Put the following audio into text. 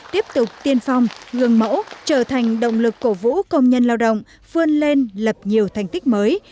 tiếp tục tiên phong gương mẫu trở thành động lực cổ vũ công nhân lao động vươn lên lập nhiều thành tích mới